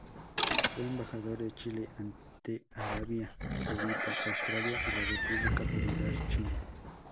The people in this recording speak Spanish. Fue embajador de Chile ante Arabia Saudita, Australia y la República Popular China.